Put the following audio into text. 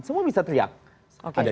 semua bisa teriak ada